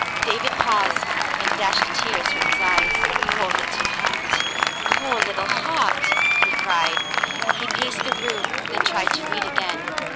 David paused and dashed the tears from his eyes. "Poor little heart! Poor little heart!" he cried. He paced the room, then tried to read again.